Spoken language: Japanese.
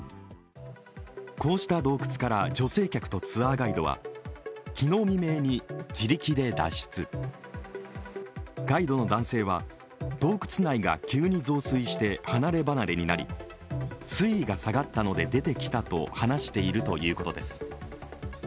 こうした洞窟から女性客とツアーガイドは昨日未明に自力で脱出、ガイドの男性は洞窟内が急に増水して離れ離れになり、水位が下がったので出てきたと話しているということです。